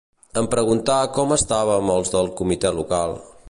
Em preguntà com estàvem els del Comitè Local